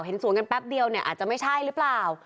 สวนกันแป๊บเดียวเนี่ยอาจจะไม่ใช่หรือเปล่า